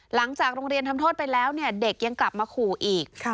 หลังจากโรงเรียนทำโทษไปแล้วเนี่ยเด็กยังกลับมาขู่อีก